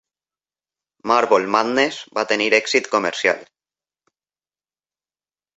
"Marble Madness" va tenir èxit comercial.